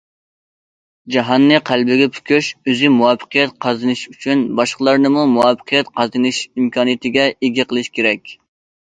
جاھاننى قەلبىگە پۈكۈش، ئۆزى مۇۋەپپەقىيەت قازىنىش ئۈچۈن، باشقىلارنىمۇ مۇۋەپپەقىيەت قازىنىش ئىمكانىيىتىگە ئىگە قىلىش كېرەك.